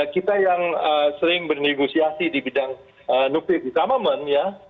kita yang sering bernegosiasi di bidang nuklir